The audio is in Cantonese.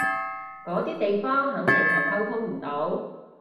嗰啲地方肯定係溝通唔到